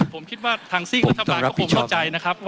ผมคิดว่าทางซีกรัฐบาลก็คงเข้าใจนะครับ